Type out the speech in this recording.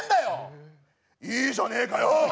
いいじゃねえかよ！